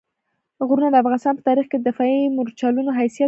غرونه د افغانستان په تاریخ کې د دفاعي مورچلونو حیثیت لري.